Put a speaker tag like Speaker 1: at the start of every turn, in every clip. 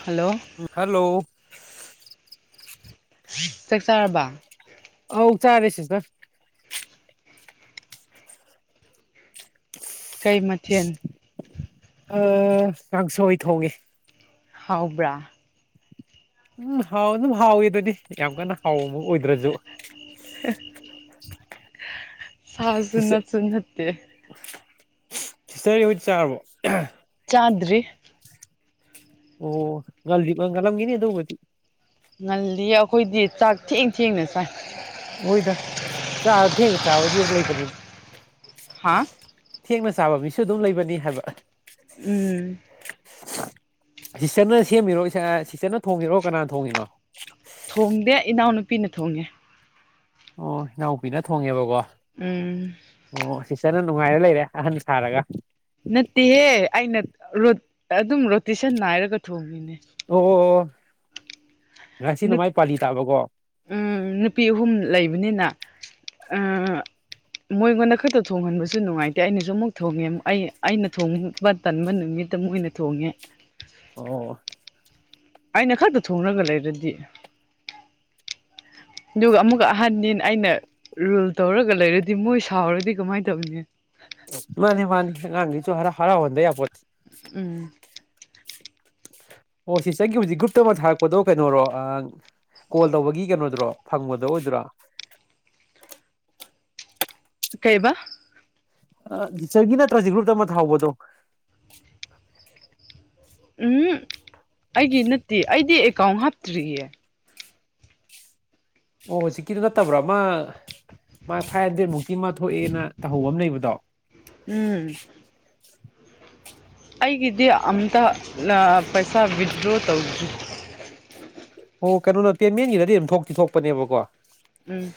Speaker 1: hello
Speaker 2: hello
Speaker 1: ꯆꯥꯛ ꯆꯥꯔꯕ
Speaker 2: ꯑ ꯆꯥꯗꯦꯁꯤꯦꯁꯕ
Speaker 1: ꯀꯩ ꯃꯊ
Speaker 2: ꯑ ꯉꯒꯁꯨ ꯍꯣꯏꯊ ꯍꯒꯦ
Speaker 1: ꯍꯥꯎꯕ꯭ꯔꯥ
Speaker 2: ꯎꯝ ꯍꯥꯎ ꯑꯗꯨꯝ ꯍꯥꯎꯋꯦ ꯑꯗꯨꯗꯤ ꯌꯥꯝ ꯀꯟꯅ ꯍꯥꯎꯕ ꯑꯃ ꯑꯣꯏꯗ꯭ꯔꯁꯨ
Speaker 1: ꯑ ꯁꯥꯖ ꯅꯆꯅ ꯅꯠꯇ
Speaker 2: ꯐꯤꯁꯇꯔ ꯍꯧꯠ ꯆꯥꯔꯕꯣ
Speaker 1: ꯑꯗꯨ꯭ꯔꯤ
Speaker 2: ꯑꯣ ꯜꯗꯤꯒꯂꯂꯝꯒꯤꯅꯤ ꯑꯦꯗꯧꯕꯗꯤ
Speaker 1: ꯉꯜꯂꯤ ꯑꯩꯈꯣꯏꯗꯤ ꯆꯥꯛ ꯊꯦꯡ ꯊꯦꯡꯅ ꯆꯥꯏ
Speaker 2: ꯍꯣꯏꯗ ꯆꯗꯦꯡꯒ ꯆꯥꯕꯁꯨ ꯂꯩ ꯄꯅꯤꯔ
Speaker 1: ꯍꯥꯥ
Speaker 2: ꯊꯦꯡꯅ ꯆꯥꯕ ꯃꯤꯁꯨ ꯑꯗꯨꯝ ꯂꯩꯕꯅꯤ ꯍꯥꯏꯕ
Speaker 1: ꯎꯝ
Speaker 2: ꯑꯁꯤꯆꯅ ꯁꯦꯝꯃꯤꯔꯣꯥ ꯁꯤꯆꯅ ꯊꯣꯡꯉꯔꯣ ꯀꯅꯥꯅ ꯊꯣꯡꯉꯤꯅꯣ
Speaker 1: ꯊꯣꯡꯗꯦ ꯏꯅꯥꯎꯅꯨꯄꯤꯅ ꯊꯣꯡꯉꯦ
Speaker 2: ꯑꯣ ꯏꯅꯥꯎꯄꯤꯅ ꯊꯣꯡꯉꯦꯕꯀꯣ
Speaker 1: ꯎꯝ
Speaker 2: ꯐꯖꯅ ꯅꯨꯡꯉꯥꯏꯔ ꯂꯩꯔꯦ ꯑꯍꯟ ꯁꯥꯔꯒ
Speaker 1: ꯅꯠꯇꯤ ꯍꯦ ꯑ ꯅ ꯑꯗꯨꯝ ꯔꯣꯇꯤꯁꯟ ꯅꯥꯏꯔꯒ ꯊꯣꯡꯉꯤꯅꯦ
Speaker 2: ꯑꯣ ꯑꯣ ꯉꯁꯤꯅ ꯃꯥꯏ ꯄꯥꯂꯤ ꯇꯥꯕꯀꯣ
Speaker 1: ꯎꯝ ꯅꯨꯄꯤ ꯑꯍꯨꯝ ꯂꯩꯕꯅꯤꯅ ꯃꯣꯏꯉꯣꯟꯗ ꯈꯛꯇ ꯊꯣꯡꯍꯟꯕꯁꯨ ꯅꯨꯡꯉꯥꯏꯇꯦ ꯑꯩꯅꯁꯨ ꯑꯃꯨꯛ ꯊꯣꯡꯉꯦ ꯑꯩ ꯑꯩꯅ ꯊꯣꯡꯕ ꯇꯟꯕ ꯅꯨꯃꯤꯠꯇ ꯃꯣꯏꯅ ꯊꯣꯡꯉꯦ
Speaker 2: ꯑꯣ
Speaker 1: ꯑꯩꯅ ꯈꯔꯛꯇ ꯊꯣꯡꯉꯒ ꯂꯩꯔꯗꯤ ꯑꯗꯨꯒ ꯑꯃꯨꯛꯀ ꯑꯍꯟꯅꯤꯅ ꯑꯩꯅ ꯔꯨꯜ ꯇꯧꯔꯒ ꯂꯩꯔꯗꯤ ꯃꯣꯏ ꯁꯥꯎꯔꯗꯤ ꯀꯃꯥꯏꯅ ꯇꯧꯅꯤ
Speaker 2: ꯃꯥꯅꯦ ꯃꯥꯅꯤ ꯑꯥꯡꯒꯂꯤꯁꯨ ꯍꯔ ꯍꯔ ꯍꯗꯄ
Speaker 1: ꯎꯝ
Speaker 2: ꯑꯣ ꯁꯤ ꯆꯪꯈꯤꯕꯦ ꯍꯧꯖꯤꯛ ꯒ꯭ꯔꯨꯞꯇ ꯑꯃ ꯊꯥꯔꯛꯄꯗꯣ ꯀꯩꯅꯣꯔꯣ ꯀꯣꯜ ꯇꯧꯕꯒꯤ ꯀꯩꯅꯣꯗꯨꯔꯣ ꯐꯪꯕꯗꯣ ꯑꯣꯏꯗꯣꯏꯔꯥ
Speaker 1: ꯀꯩꯕ
Speaker 2: ꯆꯔꯒꯤ ꯅꯠꯇ꯭ꯔꯁꯤ ꯒ꯭ꯔꯨꯞꯇ ꯑꯃ ꯊꯥꯎ ꯍꯧꯕꯗꯣ
Speaker 1: ꯎꯝ ꯑꯩꯒꯤ ꯅꯠꯇꯦ ꯑꯩꯗꯤ ꯑꯦꯀꯥꯎꯟ ꯍꯥꯞꯇ꯭ꯔꯤꯌꯦ
Speaker 2: ꯑꯣ ꯍꯧꯖꯤꯛꯀꯤꯗꯨꯣ ꯅꯠꯇꯕ꯭ꯔꯥ ꯃꯥ ꯃꯥ ꯐꯥꯏꯚ ꯍꯟꯗ꯭ꯔꯦꯗ ꯃꯨꯛꯇꯤ ꯃꯥ ꯊꯣꯛꯑꯦꯅ ꯇꯧꯍꯧꯕ ꯑꯃ ꯂꯩꯕꯗꯣ
Speaker 1: ꯎꯝ ꯑꯩꯒꯤꯗꯤ ꯑꯝꯇ ꯄꯩꯁꯥ ꯋꯤꯗ꯭ꯔꯣ ꯇꯧꯈꯤꯦ
Speaker 2: ꯑꯣ ꯀꯩꯅꯣ ꯅ ꯇꯦꯟ ꯃꯦꯟꯒꯤꯗꯗꯤ ꯑꯗꯨꯝ ꯊꯣꯛꯇꯤ ꯊꯣꯛꯄꯅꯦꯕꯀꯣ
Speaker 1: ꯎꯝ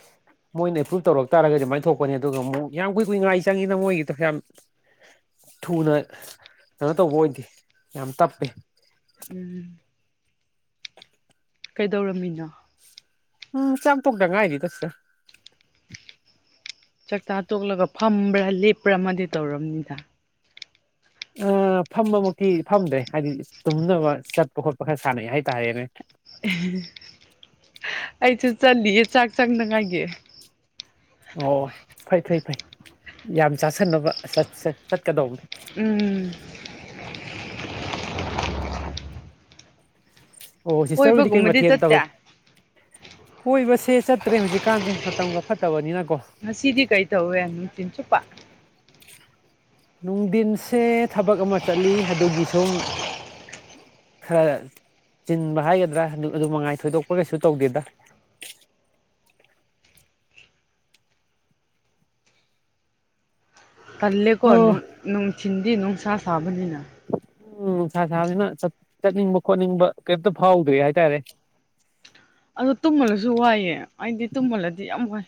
Speaker 2: ꯃꯣꯏꯅ ꯑꯦꯄ꯭ꯔꯨꯨꯞ ꯇꯧꯔꯛ ꯇꯥꯔꯒꯗꯤ ꯑꯗꯨꯃꯥꯏꯅ ꯊꯣꯛꯄꯅꯤ ꯑꯗꯨꯒ ꯑꯃꯨꯛ ꯌꯥꯝ ꯀꯨꯏ ꯀꯨꯏꯉꯥꯏ ꯆꯪꯉꯤꯅ ꯃꯣꯏꯒꯤꯗꯣ ꯌꯥꯝ ꯊꯨꯅ ꯀꯩꯅꯣ ꯇꯧꯕ ꯑꯣꯏꯗꯦ ꯌꯥꯝ ꯇꯞꯄꯦ
Speaker 1: ꯎꯝ ꯀꯩꯗꯧꯔꯝꯃꯤꯅꯣ
Speaker 2: ꯎꯝ ꯆꯥꯡ ꯇꯨꯗꯪ ꯉ ꯍꯥꯏꯗꯤ ꯇꯁ
Speaker 1: ꯆꯥꯛꯇꯥ ꯇꯣꯛꯂꯒ ꯐꯝꯕ꯭ꯔꯥ ꯂꯦꯞꯄ꯭ꯔꯥ ꯑꯃꯗꯤ ꯇꯧꯝꯅꯤꯗ
Speaker 2: ꯑ ꯐꯝꯃꯨꯛꯇꯤ ꯐꯝꯗ꯭ꯔꯦ ꯍꯥꯏꯗꯤ ꯇꯨꯝꯅꯕ ꯆꯠꯄ ꯈꯣꯠꯄ ꯈꯔ ꯁꯥꯟꯅꯩ ꯍꯥꯏꯇꯥꯔꯦꯅꯦ
Speaker 1: ꯑꯩꯁꯨ ꯆꯠꯂꯤꯌꯦ ꯆꯥꯛ ꯆꯪꯅꯉꯥꯏꯒꯤ
Speaker 2: ꯑꯣ ꯐꯩ ꯐꯩ ꯐꯩ ꯌꯥꯝ ꯆꯥꯁꯟꯅꯕ ꯆꯠꯀꯗꯧꯕ
Speaker 1: ꯎꯝ
Speaker 2: ꯑꯣ ꯁꯤꯁꯇꯔꯕꯨꯗꯤ ꯀꯩ
Speaker 1: ꯀꯣꯏꯕꯒꯨꯝꯕꯗꯤ
Speaker 2: ꯃꯊꯦꯜ ꯇꯧ
Speaker 1: ꯆꯠꯇꯦ
Speaker 2: ꯀꯣꯏꯕꯁꯦ ꯆꯠꯇ꯭ꯔꯦ ꯍꯧꯖꯤꯛꯀꯥꯟꯁꯦ ꯃꯇꯝꯒ ꯐꯠꯇꯕꯅꯤꯅ
Speaker 1: ꯁꯤꯤꯗꯤꯤ ꯀꯩ ꯊꯧ ꯌꯥꯝꯆꯤꯟ ꯆꯨꯞꯄ
Speaker 2: ꯅꯨꯡꯊꯤꯟꯁꯦ ꯊꯕꯛ ꯑꯃ ꯆꯠꯂꯤ ꯑꯗꯨꯒꯤ ꯁꯨꯝ ꯈꯔ ꯆꯤꯟꯕ ꯍꯥꯏꯒꯗ꯭ꯔꯥ ꯑꯗꯨ ꯃꯉꯥꯏ ꯊꯣꯏꯗꯣꯛꯄ ꯀꯩꯁꯨ ꯇꯧꯗꯦꯗ ꯑꯣ
Speaker 1: ꯇꯜꯂꯦꯀꯣꯅꯨꯡ ꯊꯤꯟꯗꯤ ꯅꯨꯡ ꯁꯥ ꯊꯥꯕꯅꯤꯅ ꯍ
Speaker 2: ꯎꯝ ꯁꯥ ꯁꯥꯁꯤꯅ ꯆꯠꯅꯤꯡꯕ ꯈꯣꯠꯅꯤꯡꯕ ꯀꯩꯝꯇ ꯐꯥꯎꯗ꯭ꯦ ꯍꯥꯏꯇꯥꯔꯦ
Speaker 1: ꯑꯗ ꯇꯨꯝꯃꯜꯂꯁꯨ ꯋꯥꯏꯑꯦ ꯑꯩꯗꯤ ꯇꯨꯝꯍꯜꯂꯗꯤ ꯌꯥꯝ ꯋꯥꯏ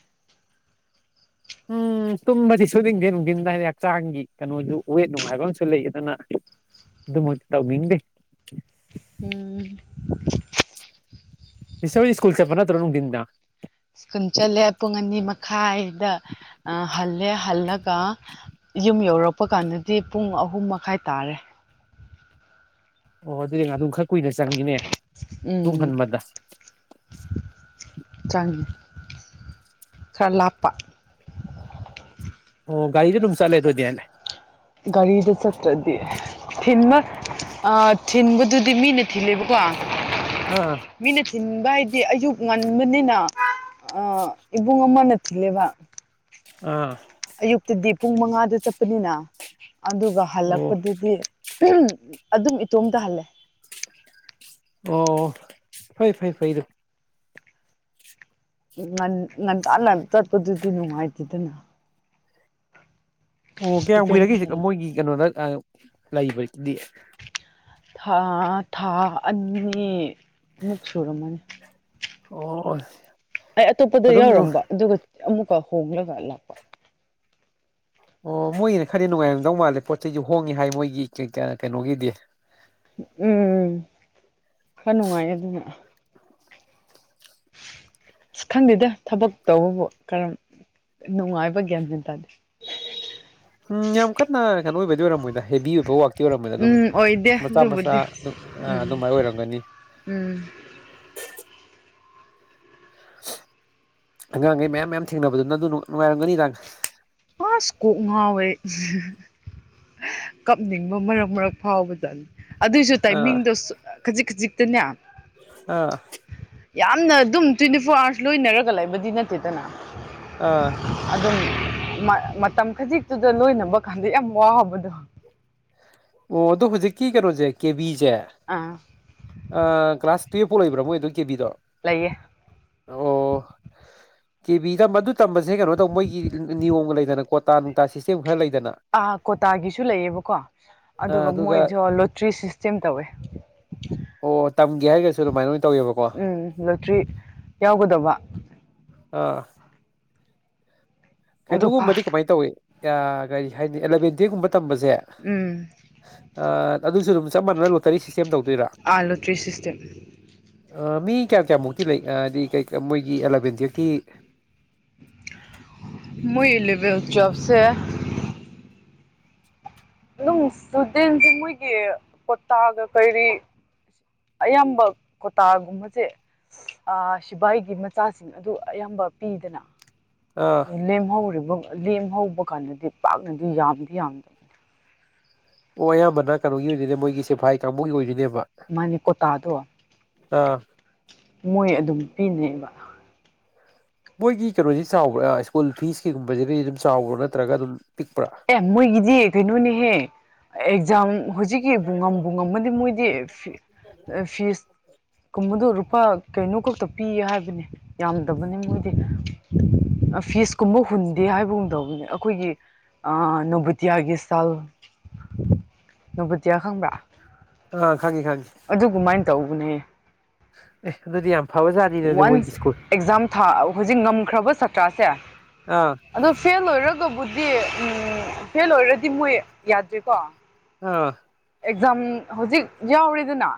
Speaker 2: ꯎꯝ ꯇꯨꯝꯕꯁꯤ ꯁꯨꯗꯤꯡꯗꯦ ꯅꯨꯡꯊꯤꯟꯗ ꯍꯥꯏꯗꯤ ꯍꯛꯆꯥꯡꯒꯤ ꯀꯩꯅꯣꯁꯨ ꯋꯦꯠ ꯅꯨꯡꯉꯥꯏꯕ ꯑꯃꯁꯨ ꯂꯩꯗꯅ ꯑꯗꯨꯃꯛꯇ ꯇꯧꯅꯤꯡꯗꯦ
Speaker 1: ꯎꯝ
Speaker 2: ꯃꯤꯁ ꯁ꯭ꯀꯨꯜꯁꯦ ꯐꯅ ꯇꯔꯣꯅꯗꯤꯤꯟꯗ
Speaker 1: ꯁ꯭ꯀꯨꯜ ꯆꯠꯂꯦ ꯄꯨꯡ ꯑꯅꯤ ꯃꯈꯥꯏꯗ ꯍꯜꯂꯦ ꯍꯜꯂꯒ ꯌꯨꯝ ꯌꯧꯔꯛꯄ ꯀꯥꯟꯗꯗꯤ ꯄꯨꯡ ꯑꯍꯨꯝ ꯃꯈꯥꯏ ꯇꯥꯔꯦ
Speaker 2: ꯑꯣ ꯑꯗꯨꯗꯤ ꯑꯗꯨꯝ ꯈ ꯀꯨꯏꯅ ꯆꯪꯈꯤꯅꯦ ꯂꯣꯡ
Speaker 1: ꯎꯝ
Speaker 2: ꯍꯟꯕꯗ
Speaker 1: ꯆꯪꯅꯤ ꯈꯔ ꯂꯄꯥꯛ
Speaker 2: ꯑꯣ ꯒꯥꯔꯤꯗꯦ ꯅꯅꯨꯡꯝ ꯆꯂꯦ ꯑꯗꯨꯗꯤꯂ
Speaker 1: ꯒꯥꯔꯤꯗ ꯆꯠꯇ꯭ꯔꯗꯤ ꯊꯤꯟꯕ ꯊꯤꯟꯕꯗꯨꯗꯤ ꯃꯤꯅ ꯊꯤꯜꯂꯦꯕꯀꯣ
Speaker 2: ꯑꯥ
Speaker 1: ꯃꯤꯅꯆꯤꯟꯕꯏ ꯗꯤ ꯑꯌꯨꯛ ꯉꯟꯕꯅꯤꯅ ꯏꯕꯨꯡ ꯑꯃꯅ ꯊꯤꯜꯂꯦꯕ
Speaker 2: ꯑꯥ
Speaker 1: ꯑꯌꯨꯛꯇꯗꯤ ꯄꯨꯡ ꯃꯉꯥꯗ ꯆꯠꯄꯅꯤꯅ ꯑꯗꯨꯒ
Speaker 2: ꯑꯣ
Speaker 1: ꯍꯜꯂꯛꯄꯗꯗꯤ ꯑꯗꯨꯝ ꯏꯇꯣꯝꯇꯍꯜꯂꯦ
Speaker 2: ꯑꯣ ꯐꯩ ꯐꯩ ꯐꯩꯗ
Speaker 1: ꯅꯟ ꯅꯟ ꯇꯟ ꯇꯠ ꯀꯗꯗꯤꯅꯤꯅꯨꯡꯉꯥꯏꯇꯗꯦꯅ
Speaker 2: ꯑꯣ ꯀꯌꯥꯝ ꯀꯨꯏꯔꯒꯦꯁ ꯃꯣꯏꯒꯤ ꯀꯩꯅꯣꯗ ꯂꯩꯏꯕ ꯒꯤꯗꯤ
Speaker 1: ꯊꯥ ꯊꯥ ꯑꯅꯤ ꯃꯨꯛ ꯁꯣꯔꯣꯝ ꯃꯅꯤ
Speaker 2: ꯑꯣ
Speaker 1: ꯑꯩ ꯑꯇꯣꯞꯄꯗ
Speaker 2: ꯑꯗꯨꯝ
Speaker 1: ꯌꯥꯎꯔꯝꯕ ꯑꯗꯨꯒ ꯑꯃꯨꯀ ꯍꯣꯡꯂꯒꯂꯄ
Speaker 2: ꯑꯣ ꯃꯣꯏꯒꯤꯅ ꯈꯔꯗꯤ ꯅꯨꯡꯉꯥꯏꯔꯝꯗꯧ ꯃꯥꯜꯂꯦ ꯄꯣꯠ ꯆꯩꯁꯨ ꯍꯣꯡꯉꯤ ꯍꯥꯏ ꯃꯣꯏꯒꯤ ꯀꯩꯅꯣꯒꯤꯗꯤ
Speaker 1: ꯎꯝꯝ ꯈꯔ ꯅꯨꯡꯉꯥꯏ ꯑꯗꯨꯅ ꯑꯁ ꯈꯪꯗꯦꯗ ꯊꯕꯛ ꯇꯧꯕꯕꯨ ꯀꯔꯝ ꯅꯨꯡꯉꯥꯏꯕ ꯒ꯭ꯁꯤꯦꯟ ꯇꯥꯗꯦ
Speaker 2: ꯎꯝ ꯌꯥꯝꯦꯝ ꯀꯗꯅ ꯀꯩꯅꯅ ꯑꯣꯏꯕꯩ ꯑꯣꯏꯔꯝꯣꯏꯗ ꯍꯦꯕꯤ ꯑꯣꯏꯕ ꯋꯥ ꯛꯇꯤ ꯑꯣꯏꯔꯝꯕꯗ ꯑꯗꯨꯝ
Speaker 1: ꯎꯝ ꯑꯣꯏꯗꯦ
Speaker 2: ꯃꯆꯥ ꯃꯆꯥ
Speaker 1: ꯑꯗꯨꯕꯨꯗꯤ
Speaker 2: ꯑꯗꯨꯝ
Speaker 1: ꯎꯝ
Speaker 2: ꯑꯗꯨꯃꯥꯏꯅ ꯑꯣꯏꯔꯝꯒꯅꯤ
Speaker 1: ꯎꯝ
Speaker 2: ꯑꯉꯥꯡꯈꯩ ꯃꯌꯥꯝ ꯃꯌꯥꯝ ꯊꯦꯡꯅꯕꯗꯨꯅ ꯑꯗꯨ ꯅꯨꯡꯉꯥꯏꯔꯝꯒꯅꯤ ꯏꯗꯥꯡ
Speaker 1: ꯑꯁ ꯀꯣꯛ ꯉꯥꯎꯋꯦ ꯀꯞꯅꯤꯡꯕ ꯃꯔꯛ ꯃꯔꯛ ꯐꯥꯎꯕꯗ ꯑꯗꯨꯏꯁꯨ
Speaker 2: ꯑꯥ
Speaker 1: ꯇꯥꯏꯃꯤꯡꯗꯣ ꯈꯖꯤꯛ ꯈꯖꯤꯛ ꯑꯗꯨꯅ
Speaker 2: ꯑꯥ
Speaker 1: ꯌꯥꯝꯅ ꯑꯗꯨꯝ ꯇ꯭ꯋꯦꯟꯇꯤ ꯐꯣꯔ ꯑꯥꯋꯥꯔꯁ ꯂꯣꯏꯅꯔꯒ ꯂꯩꯕꯗꯤ ꯅꯠꯇꯦꯗꯅ
Speaker 2: ꯑꯥ
Speaker 1: ꯑꯗꯨꯝ ꯃꯇꯝ ꯈꯖꯤꯛꯇꯨꯗ ꯂꯣꯏꯅꯕ ꯀꯥꯟꯗ ꯌꯥꯝ ꯋꯥꯕꯗꯣ
Speaker 2: ꯑꯣ ꯑꯗꯨꯗꯣ ꯍꯧꯖꯤꯛꯀꯤ ꯀꯩꯅꯣꯖꯦ ꯀꯦꯕꯤ
Speaker 1: ꯑꯥ
Speaker 2: ꯑ ꯀ꯭ꯂꯥꯁ ꯇꯨꯌꯦꯞꯄꯧ ꯂꯩꯕ꯭ꯔ ꯃꯣꯏ ꯑꯗꯨꯒꯤ ꯀꯦꯕꯤꯗꯣ
Speaker 1: ꯂꯩꯌꯦ
Speaker 2: ꯑꯣ ꯀꯕꯤꯗꯥ ꯃꯗꯨ ꯇꯝꯕꯁꯦ ꯀꯩꯅꯣ ꯇꯧꯕ ꯃꯣꯏꯒꯤ ꯅꯤꯌꯣꯝ ꯂꯩꯗꯅ ꯈꯣꯠ ꯇꯥ ꯅꯨꯡ ꯁꯤꯁꯇꯦꯝ ꯈꯔ ꯂꯩ
Speaker 1: ꯑꯥ ꯀꯣꯇꯥꯒꯤꯁꯨ ꯂꯩꯌꯦꯕꯀꯣ ꯑꯗꯨꯒ ꯃꯣꯏꯁꯨ ꯂꯣꯇ꯭ꯔꯤ ꯁꯤꯁꯇꯦꯝ ꯇꯧꯋꯦ
Speaker 2: ꯇꯝꯒꯤꯦ ꯍꯥꯏꯒ ꯁꯂꯨ ꯃꯥꯏ
Speaker 1: ꯎꯝ ꯂꯣꯇ꯭ꯔꯤ ꯌꯥꯎꯒꯗꯧꯕ
Speaker 2: ꯑꯥ
Speaker 1: ꯑꯗꯨ ꯐ
Speaker 2: ꯀꯩꯅꯨꯒꯨꯝꯕꯗꯤ ꯀꯃꯥꯏꯅ ꯇꯧꯏꯤ ꯌꯥ ꯒꯥꯔꯤ ꯍꯥꯏꯅꯤ ꯑꯦꯂꯕꯦꯟꯗꯤꯦꯒꯨꯝꯕ ꯇꯝꯕꯁꯦ
Speaker 1: ꯎꯝ
Speaker 2: ꯑꯗꯨꯁꯨ ꯑꯗꯨ ꯆꯅ ꯀꯔꯤ ꯁꯤꯁꯇꯦꯝ ꯇꯧꯗꯣꯏꯔ
Speaker 1: ꯑꯥ ꯂꯣꯇ꯭ꯔꯤ ꯁꯤꯁꯇꯦꯝ
Speaker 2: ꯑ ꯃꯤ ꯀꯌꯥ ꯀꯌꯥꯃꯨꯛꯇꯤ ꯂꯩ ꯍꯥꯏꯗꯤ ꯀꯩ ꯃꯣꯏꯒꯤ ꯑꯦꯂꯚꯦꯟ ꯇꯨꯋꯦꯜꯐꯀꯤ
Speaker 1: ꯃꯣꯏ ꯏꯂꯕꯦꯜ ꯆꯨꯌꯦꯐꯁꯦ ꯑꯗꯨꯝ ꯏꯁꯇꯨꯗꯦꯟꯁꯦ ꯃꯣꯏꯒꯤ ꯀꯣꯇꯥꯒ ꯀꯔꯤꯔꯤ ꯑꯌꯥꯝꯕ ꯀꯣꯇꯥꯒꯨꯝꯕꯁꯦ ꯁꯤꯕꯥꯏꯒꯤ ꯃꯆꯥꯁꯤꯡ ꯑꯗꯨ ꯑꯌꯥꯝꯕ ꯄꯤꯗꯅ
Speaker 2: ꯑꯥ
Speaker 1: ꯂꯦꯦꯝ ꯍꯧꯕꯔꯤꯕꯔꯤꯕ ꯂꯦꯝꯍꯧꯕ ꯀꯥꯟꯗꯗꯤ ꯄꯥꯛꯅꯗꯤ ꯌꯥꯝꯗꯤ ꯌꯥꯝꯗꯕꯅꯤ
Speaker 2: ꯑꯣ ꯑꯌꯥꯝꯕꯅ ꯀꯩꯅꯣꯒꯤ ꯑꯣꯏꯗꯣꯏꯅꯦ ꯃꯣꯏꯒꯤ ꯁꯤꯦꯐꯥꯏ ꯀꯥꯡꯕꯨꯒꯤ ꯑꯣꯏꯗꯣꯏꯅꯦ
Speaker 1: ꯃꯥꯅꯦ ꯀꯣꯇꯥꯗꯣ
Speaker 2: ꯑꯥ
Speaker 1: ꯃꯣꯏ ꯑꯗꯨꯝ ꯄꯤꯅꯩꯑꯕ
Speaker 2: ꯃꯣꯏꯒꯤ ꯀꯩꯅꯣꯁꯤ ꯆꯥꯎꯕ꯭ꯔꯥ ꯁ꯭ꯀꯨꯜ ꯐꯤꯁꯀꯤꯒꯨꯝꯕꯁꯤꯗꯒꯤꯗꯤ ꯑꯗꯨꯝ ꯆꯥꯎꯕ꯭ꯔꯥ ꯅꯠꯇ꯭ꯔꯒ ꯑꯗꯨꯝ ꯄꯤꯛꯄ꯭ꯔꯥ
Speaker 1: ꯑꯦ ꯃꯣꯏꯒꯤꯗꯤ ꯀꯩꯅꯣꯅꯤꯍꯦ ꯑꯦꯛꯖꯥꯝ ꯍꯧꯖꯤꯛꯀꯤꯕꯨ ꯉꯝꯕ ꯉꯝꯃꯗꯤ ꯃꯣꯏꯗꯤ ꯐꯤꯁ ꯀꯨꯝꯕꯗꯣ ꯂꯨꯄꯥ ꯀꯩꯅꯣ ꯈꯛꯇ ꯄꯤꯌꯦ ꯍꯥꯏꯕꯅꯦ ꯌꯥꯝꯗꯕꯅꯤ ꯃꯣꯏꯗꯤ ꯐꯤꯁ ꯀꯨꯝꯕ ꯍꯨꯟꯗꯦ ꯍꯥꯏꯕꯒꯨꯝꯗꯧꯕꯅꯤ ꯑꯩꯈꯣꯏꯒꯤ ꯅꯣꯕꯨꯇꯤꯌꯥꯒꯤ ꯁ꯭ꯇꯥꯜ ꯅꯣꯕꯨꯇꯤꯌꯥ ꯈꯪꯕ꯭ꯔꯥ
Speaker 2: ꯑꯥ ꯈꯪꯉꯤ ꯈꯪꯉꯤ
Speaker 1: ꯑꯗꯨꯃꯥꯏꯅ ꯇꯧꯕꯅꯦ
Speaker 2: ꯑꯦ ꯑꯗꯨꯗꯤ ꯌꯥꯝ ꯐꯕꯖꯥꯠꯅꯤꯅꯦ ꯃꯣꯏꯒꯤ
Speaker 1: ꯋꯥꯟꯁ
Speaker 2: ꯁ꯭ꯀꯨꯜ
Speaker 1: ꯑꯦꯛꯖꯥꯝ ꯊꯥ ꯍꯧꯖꯤꯛ ꯉꯝꯈ꯭ꯔꯕ ꯁꯥꯇ꯭ꯔꯥꯁꯦ
Speaker 2: ꯑꯥ
Speaker 1: ꯑꯗꯣ ꯐꯦꯜ ꯑꯣꯏꯔꯒꯕꯨꯗꯤ ꯗꯒꯤ ꯎꯝ ꯐꯦꯜ ꯑꯣꯏꯔꯗꯤ ꯃꯣꯏ ꯌꯥꯗ꯭ꯔꯦꯀꯣ
Speaker 2: ꯑꯥ
Speaker 1: ꯑꯦꯛꯖꯥꯝ ꯍꯧꯖꯤꯛ ꯌꯥꯎꯔꯤꯗꯅ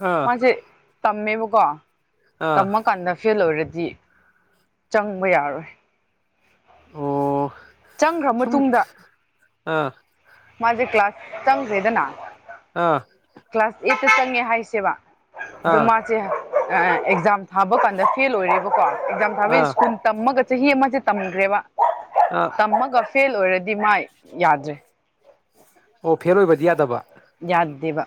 Speaker 2: ꯑꯥ
Speaker 1: ꯃꯥꯁꯦ ꯇꯃꯦ ꯒ
Speaker 2: ꯑꯥ
Speaker 1: ꯇꯃ ꯀꯟꯟꯅꯐꯤ ꯂ ꯑꯣꯏꯔ ꯗꯤ ꯆꯪꯕ ꯌꯥꯔꯣꯏ
Speaker 2: ꯑꯣ
Speaker 1: ꯆꯪꯈ꯭ꯔ
Speaker 2: ꯁꯨꯝ ꯑꯥ
Speaker 1: ꯃꯥꯖꯦ ꯀ ꯀ꯭ꯂꯥꯁ ꯆꯥꯡꯪ ꯂꯩꯗꯅꯥ
Speaker 2: ꯑꯥ
Speaker 1: ꯀ꯭ꯂꯥꯁ ꯑꯩꯠ ꯆꯪꯉꯦ ꯍꯥꯏꯁꯦꯕ ꯑꯗꯨ
Speaker 2: ꯑꯥ
Speaker 1: ꯃꯥꯁꯦ ꯑꯦꯛꯖꯥꯝ ꯊꯥꯕ ꯀꯥꯟꯗ ꯐꯦꯜ ꯑꯣꯏꯔꯦꯕꯀꯣ ꯑꯦꯛꯖꯥꯝ ꯊ
Speaker 2: ꯑꯥ
Speaker 1: ꯁꯀꯨꯜ ꯇꯝꯃꯒ ꯆꯍꯤ ꯑꯃꯁꯦ ꯇꯝꯒꯔꯦꯕ
Speaker 2: ꯑꯥ
Speaker 1: ꯇꯝꯃꯒ ꯐ ꯐꯦꯜ ꯑꯣꯏꯔꯗꯤ ꯃꯥ ꯌꯥꯗ꯭ꯔꯦ
Speaker 2: ꯑꯣ ꯐꯦꯜ ꯑꯣꯏꯕꯗꯤ ꯌꯥꯗꯕ
Speaker 1: ꯌꯥꯗꯦꯕ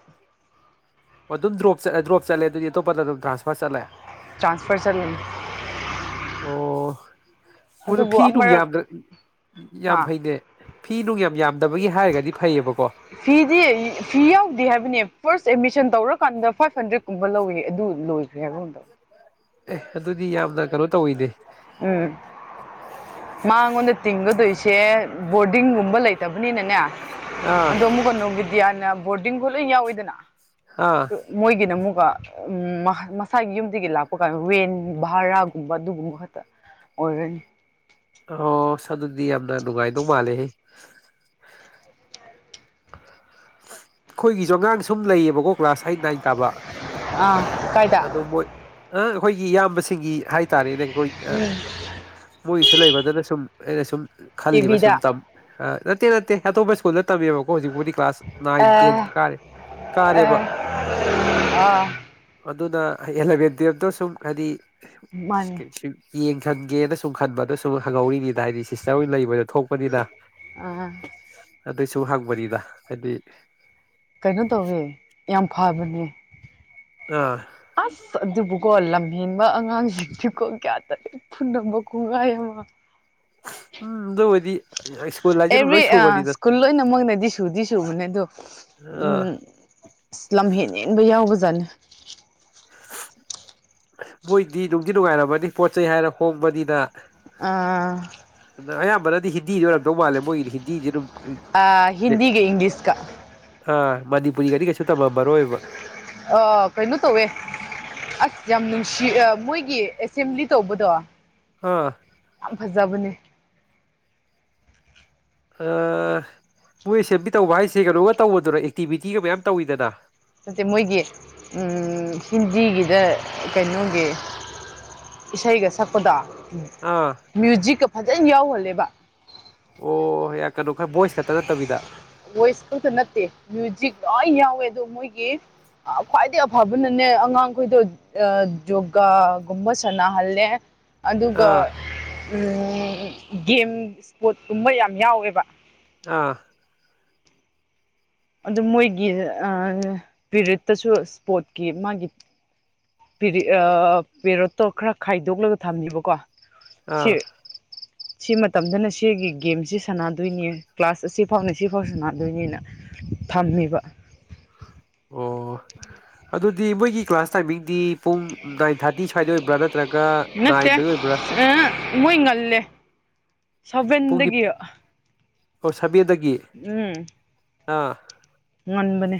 Speaker 2: ꯑꯣ ꯑꯗꯨꯝ ꯗ꯭ꯔ‌ꯣꯞ ꯆꯠꯂ‌ꯦ ꯗ꯭ꯔꯣꯞ ꯆꯠꯂꯦ ꯑꯗꯨꯗꯤ ꯑꯇꯣꯞꯄꯗ ꯑꯗꯨꯝ ꯇꯔꯥꯟꯁꯐꯥꯔ ꯆꯠꯂꯦ
Speaker 1: ꯇ꯭ꯔꯥꯟꯁꯐꯔ ꯆꯪꯉꯤ
Speaker 2: ꯃ‌ꯣꯏꯗ‌ꯣ ꯐꯤ ꯅꯨꯡ ꯌꯥꯝꯗ꯭ꯔ ꯌꯥꯝ
Speaker 1: ꯍꯥ
Speaker 2: ꯐꯩꯅꯦ ꯐꯤ ꯅꯨꯡ ꯌꯥꯝ ꯌꯥꯝ
Speaker 1: ꯐꯤꯗꯤ ꯑ ꯐꯤ ꯌꯥꯎꯗ‌ꯦ ꯍꯥꯏꯕꯅꯦ ꯐꯥꯔꯁ ꯑꯦꯗꯃꯤꯁꯟ ꯇꯧꯔꯀꯥꯟꯗ ꯐꯥꯏꯚ ꯍꯟꯗ꯭ꯔꯦꯗꯀꯨꯝꯕ ꯂꯧꯋ‌ꯦ ꯑꯗꯨ ꯂꯣꯏꯈ꯭ꯔꯦ ꯍꯥꯏꯕꯔ ꯀꯩꯅ‌ꯣ ꯇꯧꯋ‌ꯦ [unintelligible]
Speaker 2: ꯑꯦ ꯑꯗꯨꯗꯤ ꯌꯥꯝꯅ ꯀꯩꯅꯣ ꯇꯧꯋꯤꯅꯦ
Speaker 1: ꯎꯝ ꯃꯉꯣꯟꯗ ꯇꯤꯡꯒꯗꯣꯏꯁꯦ ꯕꯣꯔꯗꯤꯡꯒꯨꯝꯕ ꯂꯩꯇꯕꯅꯤꯅꯅꯦ
Speaker 2: ꯑꯥ
Speaker 1: ꯗꯤꯌꯥꯅ ꯕꯣꯔꯗꯤꯡ ꯈꯣꯏ ꯂ‌ꯣꯏ ꯌꯥꯎꯋꯤꯗꯅ
Speaker 2: ꯑꯥ
Speaker 1: ꯑ ꯃꯣꯏꯒꯤꯅꯃꯨꯛ ꯕꯥ ꯎꯝ ꯃꯁꯥꯒꯤ ꯌꯨꯝꯗꯒꯤ ꯂꯥꯛꯄ ꯀꯥꯟꯗ ꯋꯦꯟ ꯚꯥꯔꯥꯒꯨꯝꯕ ꯑꯗꯨꯒꯨꯝꯕ ꯈ ꯇ ꯑꯣꯏꯔꯅꯤ
Speaker 2: ꯑꯣ ꯑꯁ ꯑꯗꯨꯗꯤ ꯌꯥꯝ ꯗ ꯅꯨꯡꯉꯥꯏꯗꯧ ꯃꯥꯜꯂꯦꯍ‌ꯦ ꯑꯩꯈꯣꯏꯒꯤꯁꯨ ꯑꯉꯥꯡ ꯁꯨꯝ ꯂꯩꯌꯦꯕꯀꯣ ꯀ꯭ꯂꯥꯁ ꯑꯥꯏꯠ ꯅꯥꯏꯟ ꯀꯥꯕ
Speaker 1: ꯑꯥ ꯀꯥꯏꯗ
Speaker 2: ꯑꯗꯨ ꯃ‌ꯣꯏ ꯑꯥ ꯑꯩꯈꯣꯏꯒꯤ ꯏꯌꯥꯝꯕꯁꯤꯡꯒꯤ ꯍꯥꯏꯇꯥꯔꯦꯅꯦ ꯑꯩꯈꯣꯏ ꯑꯥ ꯃꯣꯏꯁꯨ ꯂꯩꯕꯗꯅ ꯁꯨꯝ ꯑꯦ ꯁꯨꯝ ꯑꯥ ꯈꯜꯂꯤꯕ
Speaker 1: ꯀꯦꯕꯤꯗ
Speaker 2: ꯁꯨꯝ ꯇꯝ ꯑꯥ ꯅꯠ ꯇ‌ꯦ ꯅꯠꯇ‌ꯦ ꯑꯇ‌ꯣꯞꯄꯥ ꯏꯁꯀꯨꯜꯗ ꯇꯝꯃꯤꯌ‌ꯦꯕꯥ ꯍꯧꯖꯤꯛꯄꯨꯗꯤ ꯀ꯭ꯂꯥꯁ ꯅꯥꯏꯟ ꯇ‌ꯦꯟ
Speaker 1: ꯑꯥ
Speaker 2: ꯀꯥꯔꯦ ꯀꯥꯔꯦꯕ
Speaker 1: ꯑꯥ ꯑꯥ
Speaker 2: ꯑꯗꯨꯅ ꯑꯦꯂꯚꯦꯟ ꯇꯨꯌꯦꯜꯐꯇ‌ꯣ ꯁꯨꯝ ꯍꯥꯏꯗꯤ [unintelligible]
Speaker 1: ꯃꯥꯅꯦ
Speaker 2: ꯏꯁꯀꯦꯁꯤꯜ [unintelligible] ꯌꯦꯡ ꯈꯟꯒꯦꯅ ꯁꯨꯝ ꯈꯟꯕꯗꯣ ꯁꯨꯝ ꯍꯪꯍꯧꯔꯤꯅꯤꯅ ꯍꯥꯏꯗꯤ ꯁꯤꯁꯇꯔ ꯑꯣꯏꯅ ꯂꯩꯕꯗ
Speaker 1: ꯑ
Speaker 2: ꯑꯗꯨꯩ ꯁꯨꯝ ꯍꯪꯕꯅꯤꯗ ꯍꯥꯏꯗꯤ
Speaker 1: ꯀꯩꯅꯣ ꯇꯧꯋꯦ ꯌꯥꯝ ꯐꯕꯅꯦ
Speaker 2: ꯑ
Speaker 1: ꯑꯁ ꯑꯗꯨꯕꯨꯀꯣ ꯂꯝꯍꯦꯟꯕ ꯑꯉꯥꯡꯁꯤꯡꯁꯤꯀꯣ ꯀꯌꯥ ꯇꯗꯤ ꯄꯨꯅꯕ ꯀꯣꯡꯒꯥꯏ ꯑꯃ
Speaker 2: ꯎꯝꯗ
Speaker 1: ꯑꯦꯚ꯭ꯔꯤ ꯁ꯭ꯀꯨꯜ ꯂꯣꯏꯅꯃꯛꯅꯗꯤ ꯁꯨꯗꯤ ꯁꯨꯕꯅꯦ ꯑꯗꯣ ꯎ
Speaker 2: ꯑꯥ
Speaker 1: ꯑ ꯂꯝꯍꯦꯟ ꯍꯦꯟꯕ ꯌꯥꯎꯕꯖꯥꯠꯅꯤ
Speaker 2: ꯃꯣꯏꯗꯤ ꯅꯨꯡꯗꯤ ꯅꯨꯡꯉꯥꯏꯔꯝꯃꯅꯤ ꯄꯣꯠ ꯆꯩꯩ ꯍꯥꯏꯔ ꯍꯣꯡꯕꯅꯤꯅ
Speaker 1: ꯑꯥ
Speaker 2: ꯑꯌꯥꯝꯕꯅꯗꯤ ꯍꯤꯟꯗꯤ ꯑꯣꯏꯔꯝꯗꯧ ꯃꯥꯜꯂꯦ ꯃꯣꯏꯒꯤꯗꯤ ꯍꯤꯟꯗꯤ ꯑꯗꯨꯝ
Speaker 1: ꯍꯤꯟꯗꯤꯤꯒꯤ ꯏꯪꯂꯤꯁ ꯀ
Speaker 2: ꯑꯥ ꯃꯅꯤꯄꯨꯔꯤꯒꯗꯤ ꯀꯩꯁꯨ ꯇꯝꯃꯝꯃꯔꯣꯏꯕ
Speaker 1: ꯑ ꯀꯩꯅꯩꯅꯣ ꯇꯧꯋꯦ ꯑꯁ ꯌꯥꯝ ꯅꯨꯡꯁꯤ ꯃꯣꯏꯒꯤ ꯑꯦꯁꯦꯝꯕ꯭ꯂꯤ ꯇꯧꯕꯗꯣ
Speaker 2: ꯑꯥ
Speaker 1: ꯆꯕꯅꯦ
Speaker 2: ꯃꯣꯏ ꯁꯦꯝꯕꯤ ꯇꯧꯕ ꯍꯥꯏꯁꯦ ꯀꯩꯅꯣꯒ ꯇꯧꯕꯗꯨꯅ ꯑꯦꯛꯇꯤꯚꯇꯤꯒ ꯃꯌꯥꯝ ꯇꯧꯋꯤꯗꯅ
Speaker 1: ꯅꯠꯇꯦ ꯃꯣꯏꯒꯤ ꯍꯤꯟꯗꯤꯒꯤꯗ ꯀꯩꯅꯣꯒꯤ ꯏꯁꯩꯒ ꯁꯛꯄꯗꯣ
Speaker 2: ꯑꯥ
Speaker 1: ꯃꯨꯖꯛ ꯐ ꯌꯥꯎꯍꯜꯂꯦꯕ
Speaker 2: ꯑꯣ ꯍ ꯀꯩꯅꯣ ꯈꯔ ꯚꯣꯏꯁ ꯈꯛꯇ ꯅꯠꯇꯕꯤꯗ
Speaker 1: ꯚꯣꯏꯁ ꯈꯛꯇ ꯅꯠꯇꯦ ꯃ꯭ꯌꯨꯖꯤꯛ ꯂꯣꯏ ꯌꯥꯎꯋꯦ ꯑꯗꯣ ꯃꯣꯏꯒꯤ ꯈ꯭ꯋꯥꯏꯗꯗꯒꯤ ꯑꯐꯕꯅꯅꯦ ꯑꯉꯥꯡꯈꯣꯏꯗꯣ ꯌꯣꯒꯥꯒꯨꯝꯕ ꯁꯥꯟꯅꯍꯜꯂꯦ ꯑꯗꯨꯒ
Speaker 2: ꯑꯥ
Speaker 1: ꯎꯝ ꯒꯦꯝ ꯏꯁꯄꯣꯔꯠꯀꯨꯝꯕ ꯌꯥꯝ ꯌꯥꯎꯋꯦꯕ
Speaker 2: ꯑꯥ
Speaker 1: ꯑꯗꯨ ꯃꯣꯏꯒꯤ ꯑ ꯄꯤꯔꯤꯠꯇꯁꯨ ꯏꯁꯄꯣꯔꯠꯀꯤ ꯃꯥꯒꯤ ꯄꯦꯔꯠꯇꯣ ꯈꯔ ꯈꯥꯏꯗꯣꯛꯂꯒ ꯊꯝꯃꯤꯕꯀꯣ
Speaker 2: ꯑꯥ
Speaker 1: ꯁꯤ ꯃꯇꯝꯗꯅ ꯁꯤꯒꯤ ꯒꯦꯝꯁꯤ ꯁꯥꯟꯅꯗꯣꯏꯅꯦ ꯀ꯭ꯂꯥꯁ ꯑꯁꯤ ꯐꯥꯎꯅꯦ ꯁꯤ ꯐꯥꯎ ꯁꯥꯟꯅꯗꯣꯏꯅꯤꯅ ꯊꯝꯃꯤꯕ
Speaker 2: ꯑꯣ ꯑꯗꯨꯗꯤ ꯃꯣꯏꯒꯤ ꯀ꯭ꯂꯥꯁ ꯇꯥꯏꯃꯤꯡꯗꯤ ꯄꯨꯡ ꯗꯥꯏꯟ ꯊꯥꯔꯇꯤ ꯁ꯭ꯋꯥꯏꯗ ꯑꯣꯏꯕ꯭ꯔꯥ ꯅꯠꯇ꯭ꯔꯒ
Speaker 1: ꯅꯠꯇꯦ
Speaker 2: ꯅꯥꯏꯟꯗꯩ ꯑꯣꯏꯕ꯭ꯔꯥ
Speaker 1: ꯃꯣꯏ ꯉꯜꯂꯦ ꯁꯕꯗꯒ
Speaker 2: ꯈꯣꯏꯁꯤ ꯊꯕꯤꯗꯒꯤ ꯑꯥ
Speaker 1: ꯉꯟꯕꯅꯦ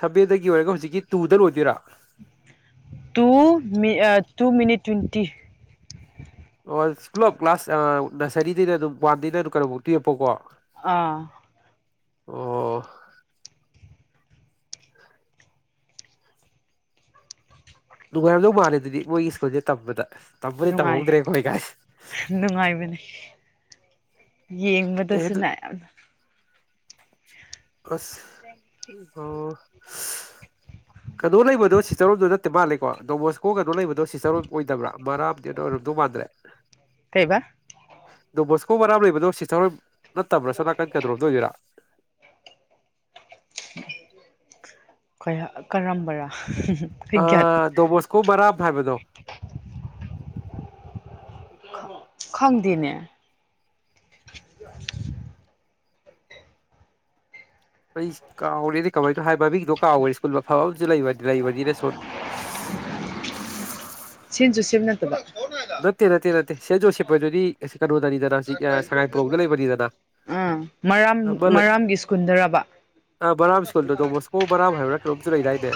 Speaker 2: ꯁꯕꯦꯗꯒꯤ ꯑꯣꯏꯔꯒ ꯍꯧꯖꯤꯛꯀꯤ ꯇꯨꯗ ꯂꯣꯏꯗꯣꯏꯔꯥ
Speaker 1: ꯨ ꯃꯤ ꯇꯨ ꯃꯤꯅꯤꯠ ꯇ꯭ꯋꯦꯟꯇꯤ
Speaker 2: ꯄꯨꯂꯞ ꯀ꯭ꯂꯥꯁ ꯅꯁꯔꯤꯗꯩꯅ ꯑꯗꯨꯝ ꯋꯥꯟꯗꯩꯅ ꯑꯗꯨ ꯀꯩꯅꯣꯐꯥꯎ ꯇꯨꯌꯦꯦꯞ ꯐꯥꯎꯀꯣ
Speaker 1: ꯑꯥ
Speaker 2: ꯑꯣ ꯅꯨꯡꯉꯥꯏꯔꯝꯗꯧ ꯃꯥꯜꯂꯦ ꯑꯗꯨꯗꯤ ꯃꯣꯏꯒꯤ ꯁ꯭ꯀꯨꯜꯁꯦ ꯇꯝꯕꯗ ꯇꯝꯕꯨꯗꯤ
Speaker 1: ꯅꯨꯡꯉꯥꯏ
Speaker 2: ꯇꯝꯍꯧꯗ꯭ꯔꯦ ꯑꯩꯈꯣꯏ ꯀꯥꯏ
Speaker 1: ꯅꯨꯡꯉꯥꯏꯕꯅꯤ
Speaker 2: ꯑꯦ ꯑꯗꯨ
Speaker 1: ꯌꯦꯡꯕꯗꯁꯨꯅ ꯌꯥꯝꯅ
Speaker 2: ꯑꯁ ꯑꯣ ꯀꯩꯅꯣ ꯂꯩꯕꯗꯣ ꯁꯤꯁꯇꯔꯣꯝꯗꯣ ꯅꯠꯇꯦ ꯃꯥꯜꯂꯦꯀꯣ ꯗꯣꯃꯣꯁꯀꯣ ꯀꯩꯅꯣ ꯂꯩꯕꯗꯣ ꯁꯤꯁꯇꯔꯣꯝ ꯑꯣꯏꯗꯕ꯭ꯔꯥ ꯃꯔꯥꯝꯗꯤ ꯑꯣꯏꯔꯝꯗꯧ ꯃꯥꯟꯗ꯭ꯔꯦ
Speaker 1: ꯀꯩꯕ
Speaker 2: ꯗꯣꯕꯁꯀꯣ ꯔꯥꯝ ꯂꯩꯕꯗꯣ ꯁꯤꯁ ꯅꯠꯇꯕ꯭ꯔꯁꯣꯅꯥ ꯀꯥꯟ ꯀꯦ ꯑꯗꯨ꯭ꯔꯣꯗꯣꯏꯔꯥ
Speaker 1: ꯍꯣꯏ ꯀꯔꯝꯕꯔꯥ ꯑꯩ
Speaker 2: ꯑ
Speaker 1: ꯒ꯭ꯌꯥꯟ
Speaker 2: ꯗꯣꯃꯣꯁ ꯈꯣ ꯔ ꯍꯥꯏꯗꯣ
Speaker 1: ꯈꯪꯗꯅꯦ
Speaker 2: ꯑꯩ ꯀꯥꯎꯔꯦꯗꯤ ꯀꯃꯥꯏꯅꯣ ꯍꯥꯏꯕ ꯃꯤꯒꯤꯗꯣ ꯀꯥꯎꯈꯦ ꯁ꯭ꯀꯨꯜ ꯑꯐ ꯑꯃꯁ ꯂꯩ ꯂꯩꯕꯅꯤꯅ ꯁꯣ
Speaker 1: ꯁꯤꯟꯁꯨ ꯁꯤꯕ ꯅꯠꯇꯕ
Speaker 2: ꯅꯠꯇꯦ ꯅꯠꯇꯦ ꯅꯠꯇꯦ ꯁꯦꯁꯨꯣꯁꯤꯦꯄꯗꯨꯗꯤ ꯀꯩꯅꯣꯗꯅꯤꯗꯅ ꯁꯉꯥꯏꯄ꯭ꯔꯣꯡꯗ ꯂꯩꯕꯅꯤꯗꯅ
Speaker 1: ꯑꯥ ꯃꯔꯥꯝ
Speaker 2: ꯑꯃ ꯂꯩ
Speaker 1: ꯃꯔꯥꯝꯒꯤ ꯁ꯭ꯀꯨꯜꯗꯔꯕ
Speaker 2: ꯑ ꯕꯔꯥꯝ ꯁ꯭ꯀꯨꯜꯗ ꯇꯣꯃꯣꯁꯀꯣ ꯕꯔꯥꯝ ꯍꯥꯏꯕ꯭ꯔꯥ ꯀꯩꯅꯣꯝꯇ ꯂꯩꯔꯏꯅꯦ